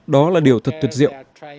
đó là điều thật tuyệt diệu